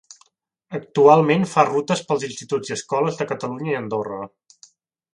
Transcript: Actualment fa rutes pels instituts i escoles de Catalunya i Andorra.